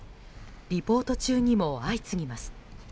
リポート中にも相次ぎます。